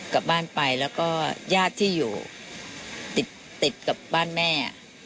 กลับบ้านไปแล้วก็ญาติที่อยู่ติดกับบ้านแม่